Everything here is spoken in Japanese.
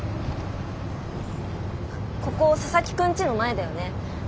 ここ佐々木くんちの前だよね。